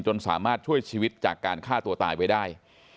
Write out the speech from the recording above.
สามารถช่วยชีวิตจากการฆ่าตัวตายไว้ได้